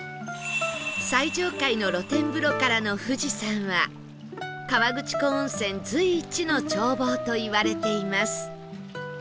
最上階の露天風呂からの富士山は河口湖温泉随一の眺望といわれています